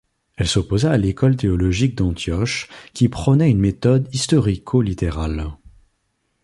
Elle s'opposa à l'école théologique d'Antioche qui prônait une méthode historico-littérale.